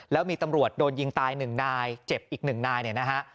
แล้วมีตำรวจโดนยิงตาย๑นายเจ็บอีก๑นายเนี่ยนะฮะ